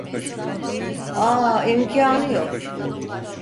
Aaa, imkânı yok.